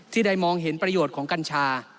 ที่ได้มองเห็นประโยชน์ของกัญชา